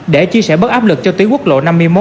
để chia sẻ bớt áp lực cho tuyến quốc lộ năm mươi một